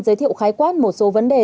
giới thiệu khái quát một số vấn đề